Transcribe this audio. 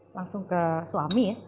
langsung ke suami ya